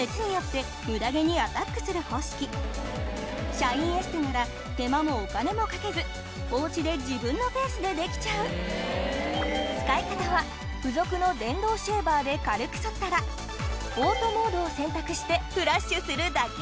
シャインエステなら手間もお金もかけずお家で自分のペースでできちゃう使い方は付属の電動シェーバーで軽くそったらオートモードを選択してフラッシュするだけ！